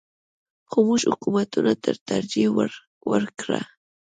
خو موږ حکومتونو ته ترجیح ورکړه.